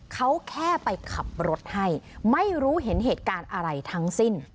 เขาแค่ไปขับรถให้ไม่รู้เห็นเหตุการณ์อะไรทั้งสิ้น